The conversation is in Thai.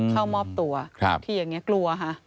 เข้ามอบตัวที่อย่างนี้กลัวค่ะ